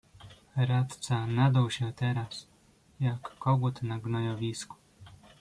"Radca nadął się teraz, jak kogut na gnojowisku."